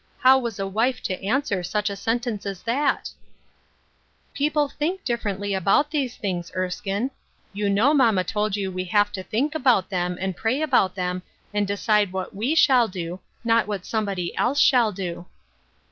How was a wife to answer such a sentence as that ? "People think differently about these things, Erskine. You know mamma told you we have to think about them, and pray about them, and decide what we shall do, not what somebody else shall do."